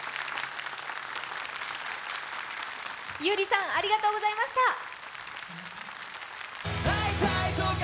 優里さん、ありがとうございました！